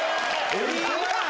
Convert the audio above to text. え！